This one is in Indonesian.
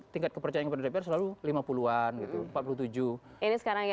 tingkat kepercayaan kepada dpr selalu lima puluh an empat puluh tujuh